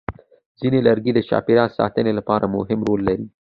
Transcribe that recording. ځینې لرګي د چاپېریال ساتنې لپاره مهم رول لري.